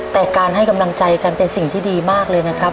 แต่การให้กำลังใจกันเป็นสิ่งที่ดีมากเลยนะครับ